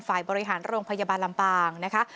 ฝ่ายบริหารโรงพยาบาลลำปางนะคะ